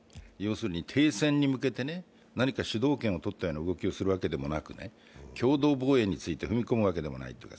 停戦に向けて何か主導権を取ったような動きをするわけでもなく、共同防衛について踏み込むわけでもない。